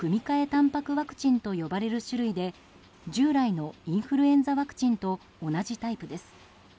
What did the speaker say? タンパクワクチンと呼ばれる種類で従来のインフルエンザワクチンと同じタイプです。